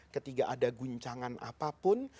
ketika ada guncangan apapun